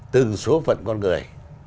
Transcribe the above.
từng số phận con người